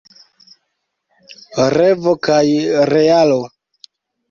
Revo kaj realo.